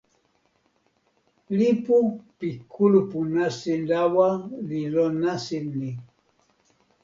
lipu pi kulupu nasin lawa li lon nasin ni.